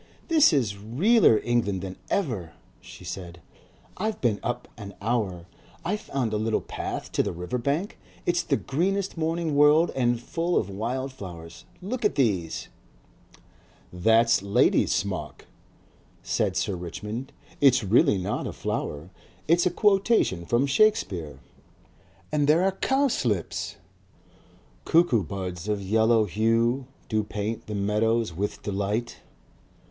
"This is realler England than ever," she said. "I've been up an hour. I found a little path down to the river bank. It's the greenest morning world and full of wild flowers. Look at these." "That's lady's smock," said Sir Richmond. "It's not really a flower; it's a quotation from Shakespeare." "And there are cowslips!" "CUCKOO BUDS OF YELLOW HUE. DO PAINT THE MEADOWS WITH DELIGHT.